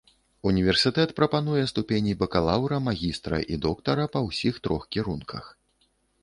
Універсітэт прапануе ступені бакалаўра, магістра і доктара па ўсіх трох кірунках.